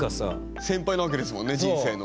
先輩なわけですもんね人生の。